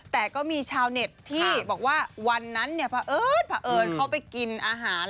แต่ก็มีชาวเน็ตที่บอกว่าวันนั้นเนี่ยพระเอิญเขาไปกินอาหาร